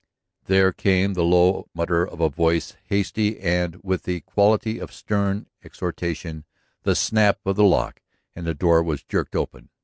There came the low mutter of a voice hasty and with the quality of stern exhortation, the snap of the lock, and the door was jerked open.